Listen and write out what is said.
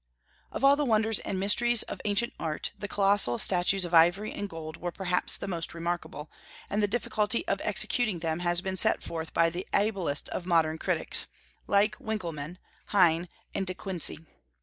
Of all the wonders and mysteries of ancient art the colossal statues of ivory and gold were perhaps the most remarkable, and the difficulty of executing them has been set forth by the ablest of modern critics, like Winckelmann, Heyne, and De Quincey.